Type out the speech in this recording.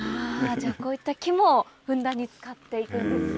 こういった木もふんだんに使って行くんですね。